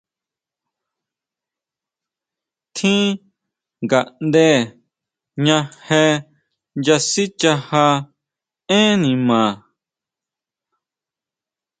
Tjín ngaʼnde jña je nya sichaja énn nima.